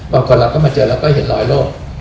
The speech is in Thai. บางคนเราก็มาเจอเราก็เห็นรอยโรค